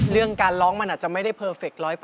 เรื่องการร้องมันอาจจะไม่ได้เพอร์เฟค๑๐๐